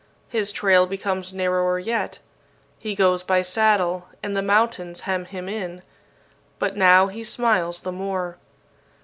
His trail becomes narrower yet. He goes by saddle, and the mountains hem him in, but now he smiles the more.